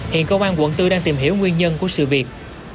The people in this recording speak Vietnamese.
hiện cơ quan quận bốn đang tìm hiểu nguyên nhân của sự việc